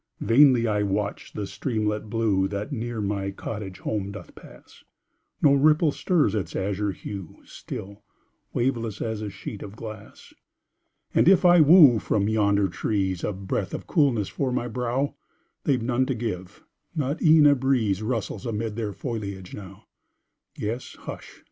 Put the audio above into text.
Vainly I watch the streamlet blue That near my cottage home doth pass, No ripple stirs its azure hue, Still waveless, as a sheet of glass And if I woo from yonder trees A breath of coolness for my brow, They've none to give not e'en a breeze Rustles amid their foliage now; Yes, hush!